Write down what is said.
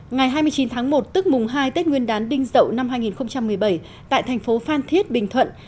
ngày hai mươi chín tháng một tức mùng hai tết nguyên đán đinh dậu năm hai nghìn một mươi bảy tại thành phố phan thiết bình thuận